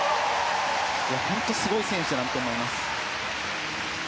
本当すごい選手だなと思います。